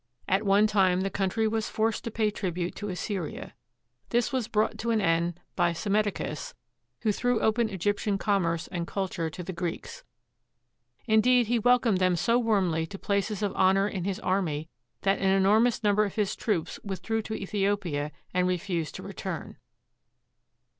At one time the coun try was forced to pay tribute to Assyria. This was brought to an end by Psammeticus, who threw open Egyptian com merce and culture to the Greeks. Indeed, he welcomed them so warmly to places of honor in his army that an enormous number of his troops withdrew to Ethiopia and refused to return.